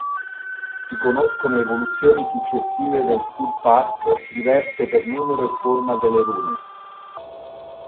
Si conoscono evoluzioni successive del fuþark, diverse per numero e forma delle rune.